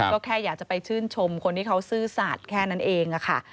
ก็แค่อยากจะไปชื่นชมคนที่เขาซื่อสัตว์แค่นั้นเองค่ะ